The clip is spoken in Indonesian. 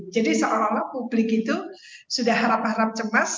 jadi seolah olah publik itu sudah harap harap cemas